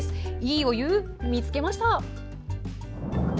「＃いいお湯見つけました」。